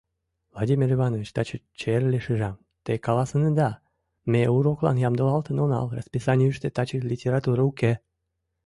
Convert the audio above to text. Владимир Иванович таче черлеШижам, те каласынеда: ме уроклан ямдылалтын онал — расписанийыште таче литература уке.